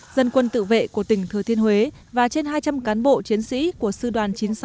dân quân tự vệ của tỉnh thừa thiên huế và trên hai trăm linh cán bộ chiến sĩ của sư đoàn chín trăm sáu mươi tám